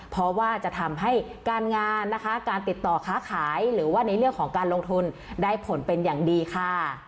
เพราะว่าจะทำให้การงานนะคะการติดต่อค้าขายหรือว่าในเรื่องของการลงทุนได้ผลเป็นอย่างดีค่ะ